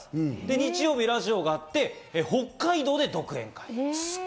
日曜日ラジオがあって北海道で独演会。